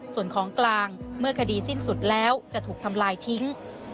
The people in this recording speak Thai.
ส่วนของกลางเมื่อคดีสิ้นสุดแล้วจะถูกทำลายทิ้ง